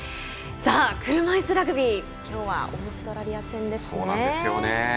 車いすラグビー、きょうはオーストラリア戦ですね。